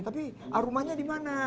tapi rumahnya di mana